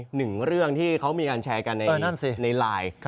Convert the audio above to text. หนึ่งเรื่องที่เขามีการแชร์กันในไลน์